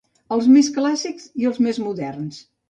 Els més clàssics i els més moderns.